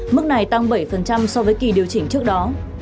mức này tăng bảy so với kỳ điều chỉnh trước đó